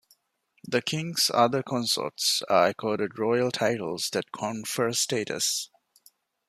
The king's other consorts are accorded royal titles that confer status.